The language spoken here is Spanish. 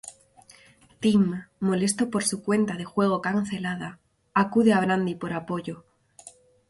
Tim, molesto por su cuenta de juego cancelada, acude a Brandy por apoyo.